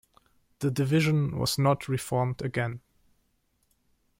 The division was not reformed again.